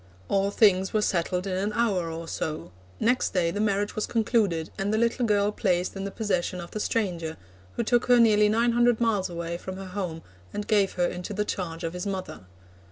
All things were settled in an hour or so; next day the marriage was concluded, and the little girl placed in the possession of the stranger, who took her nearly nine hundred miles away from her home, and gave her into the charge of his mother.